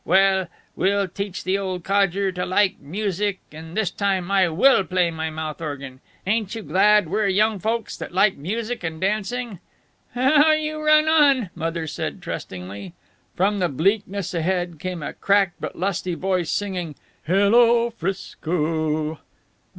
Well, we'll teach the old codger to like music, and this time I will play my mouth organ. Ain't you glad we're young folks that like music and dancing " "How you run on!" Mother said, trustingly. From the bleakness ahead came a cracked but lusty voice singing "Hello, 'Frisco!"